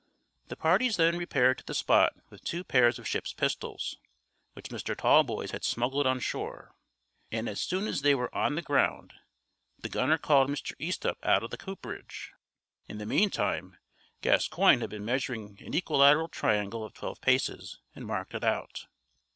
The parties then repaired to the spot with two pairs of ship's pistols, which Mr. Tallboys had smuggled on shore; and as soon as they were on the ground the gunner called Mr. Easthupp out of the cooperage. In the meantime Gascoigne had been measuring an equilateral triangle of twelve paces, and marked it out.